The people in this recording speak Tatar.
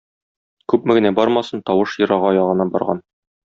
Күпме генә бармасын, тавыш ерагая гына барган.